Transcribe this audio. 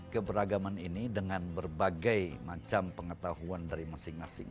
keberagaman ini dengan berbagai macam pengetahuan dari masing masing